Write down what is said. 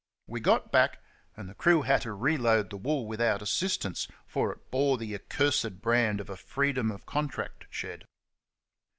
We got back, and the crew had to reload the wool without assistance, for it bore the accursed brand of a "freedom of contract" shed.